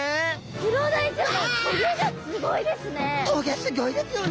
クロダイちゃん棘すギョいですよね！